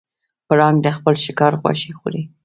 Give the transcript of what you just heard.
پړانګ د خپل ښکار غوښې خوري.